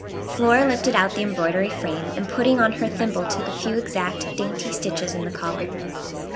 Flora lifted out the embroidery frame, and putting on her thimble took a few exact, dainty stitches in the collar.